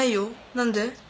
何で？